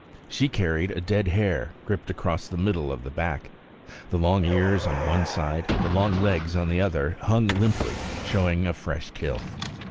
She carried a dead hare gripped across the middle of the back. The long ears on one side, the long legs on the other, hung limply, showing a fresh kill.